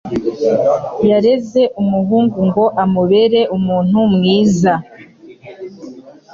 Yareze umuhungu ngo amubere umuntu mwiza.